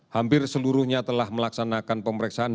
hampir seluruhnya telah melaksanakan pemeriksaan